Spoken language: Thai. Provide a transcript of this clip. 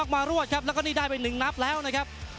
แล้วการแน่นด้วย